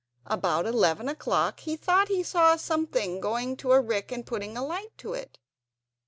About eleven o'clock he thought he saw someone going to a rick and putting a light to it.